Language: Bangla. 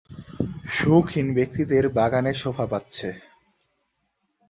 শৌখিন ব্যক্তিদের বাগানে শোভা পাচ্ছে।